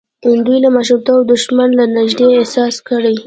دوی له ماشومتوبه دښمن له نږدې احساس کړی.